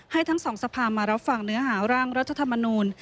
ทั้งสองสภามารับฟังเนื้อหาร่างรัฐธรรมนูล